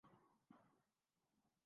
Australian central western time